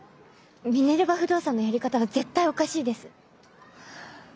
ミネルヴァ不動産のやり方は絶対おかしいです。